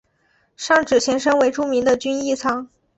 上址前身为著名的均益仓。